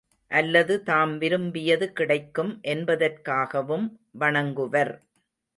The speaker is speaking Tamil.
அல்லது தாம் விரும்பியது கிடைக்கும் என்பதற்காகவும் வணங்குவர்.